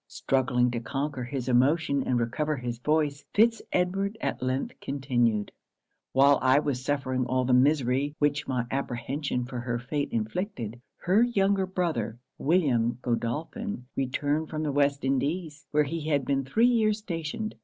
Struggling to conquer his emotion and recover his voice, Fitz Edward at length continued 'While I was suffering all the misery which my apprehension for her fate inflicted, her younger brother, William Godolphin, returned from the West Indies, where he has been three years stationed.